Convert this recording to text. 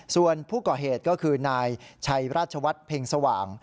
ส่วนผู้ก่อเหตุก็คือนายชัยราชวัฒน์เพ็งสว่าง